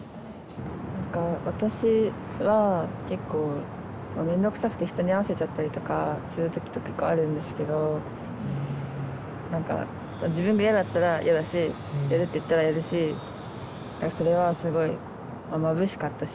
なんか私は結構めんどくさくて人に合わせちゃったりとかする時とか結構あるんですけどなんか自分がやだったらやだしやるって言ったらやるしそれはすごいまぶしかったし。